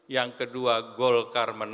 yang kedua golkar menang